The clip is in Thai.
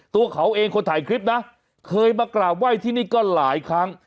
ตัวเขาเองคนถ่ายคลิปนะเคยมากราบไหว้ที่นี่ก็หลายครั้ง